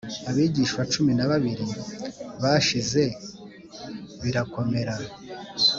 abigishwa cumi n abiri bashize birakomera